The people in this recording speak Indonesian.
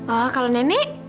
oh kalau nenek